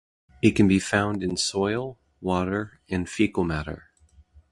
It can be found in soil, water, and fecal matter.